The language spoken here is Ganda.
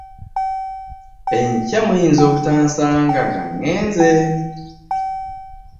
Enkya muyinza obutansanga nga ŋŋenze.